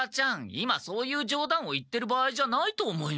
今そういうじょう談を言ってる場合じゃないと思います。